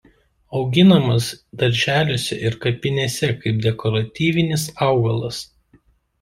Auginamas darželiuose ir kapinėse kaip dekoratyvinis augalas.